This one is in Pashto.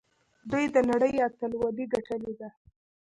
دوی د نړۍ اتلولي ګټلې ده.